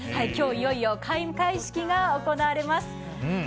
今日、いよいよ開会式が行われます。